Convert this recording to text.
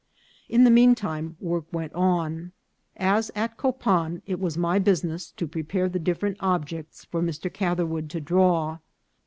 In the mean time work went on. As at Copan, it was my business to prepare the different objects for Mr. Catherwood to draw.